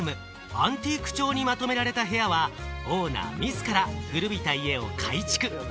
アンティーク調にまとめられた部屋は、オーナー自ら、古びた家を改築。